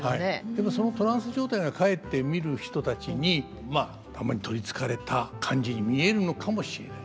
でもそのトランス状態がかえって見る人たちに玉に取りつかれた感じに見えるのかもしれない。